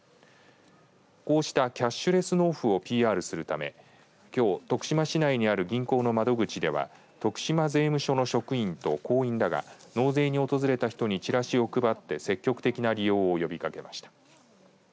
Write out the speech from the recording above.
こうしたキャッシュレス納付をＰＲするためきょう徳島市内にある銀行の窓口では徳島税務署の職員と行員らが納税に訪れた人にチラシを配って積極的な利用を呼びかけました。